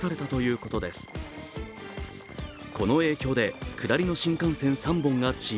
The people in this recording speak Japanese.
この影響で下りの新幹線３本が遅延